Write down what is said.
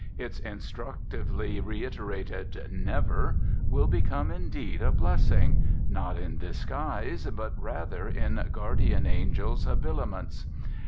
Its instructively reiterated "Never" will become, indeed, a blessing not in disguise, but rather in guardian angel's habiliments.